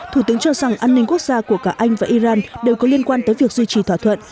thủ tướng cho rằng an ninh quốc gia của cả anh và iran đều có liên quan tới việc duy trì thỏa thuận